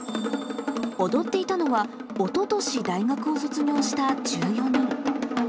踊っていたのは、おととし大学を卒業した１４人。